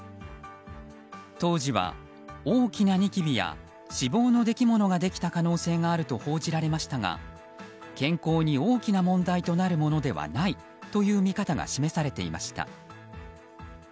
当時は大きなニキビや脂肪のできものができた可能性があると報じられましたが健康に大きな問題となるものではないという見方が示されていました。